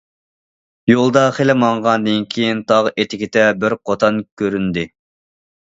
يولدا خېلى ماڭغاندىن كېيىن، تاغ ئېتىكىدە بىر قوتان كۆرۈندى.